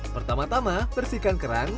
pertama tama bersihkan kerang